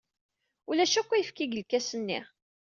Ulac akk ayefki deg lkas-nni.